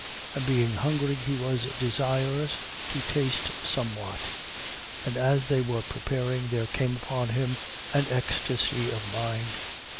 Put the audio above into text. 10:10. And being hungry, he was desirous to taste somewhat. And as they were preparing, there came upon him an ecstasy of mind.